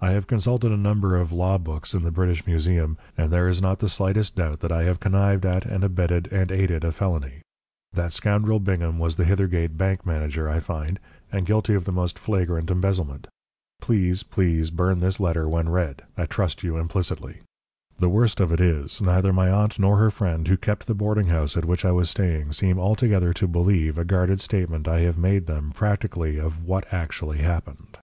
I have consulted a number of law books in the British Museum, and there is not the slightest doubt that I have connived at and abetted and aided a felony. That scoundrel Bingham was the Hithergate bank manager, I find, and guilty of the most flagrant embezzlement. Please, please burn this letter when read I trust you implicitly. The worst of it is, neither my aunt nor her friend who kept the boarding house at which I was staying seem altogether to believe a guarded statement I have made them practically of what actually happened.